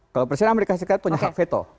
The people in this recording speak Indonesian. kalau presiden amerika serikat punya hak veto